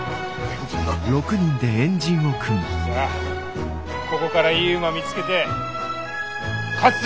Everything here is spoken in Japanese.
じゃあここからいい馬見つけて勝つぞ！